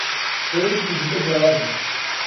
بۆ یهکێکی دیکه جیاواز بن